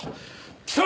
貴様！